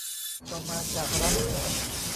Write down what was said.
ก็มาจากรัฐแหละ